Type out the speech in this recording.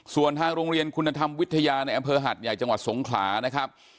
ส่วนทางโรงเรียนคุณธรรมวิทยาในอำเภอหัดใหญ่จังหวัดสงขลานะครับ